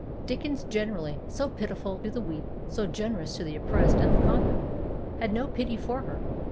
Dickens, generally " so pitiful to the weak, so gene rous to the oppressed and the conquered," had no pity for her.